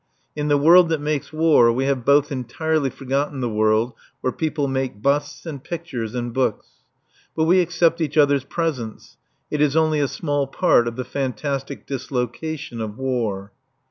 In the world that makes war we have both entirely forgotten the world where people make busts and pictures and books. But we accept each other's presence. It is only a small part of the fantastic dislocation of war.